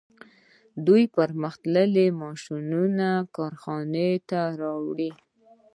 دوی پرمختللي ماشینونه کارخانو ته راوړي